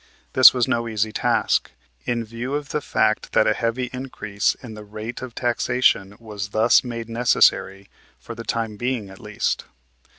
This was no easy task, in view of the fact that a heavy increase in the rate of taxation was thus made necessary, for the time being at least.